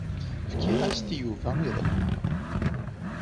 Fkiɣ-as-t i Yuba iḍelli.